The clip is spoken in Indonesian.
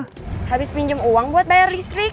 habis pinjam uang buat bayar listrik